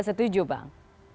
saya tidak setuju bang